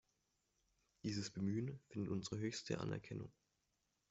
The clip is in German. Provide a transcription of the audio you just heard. Dieses Bemühen findet unsere höchste Anerkennung.